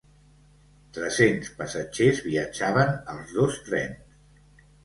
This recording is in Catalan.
Tres-cents passatgers viatjaven als dos trens.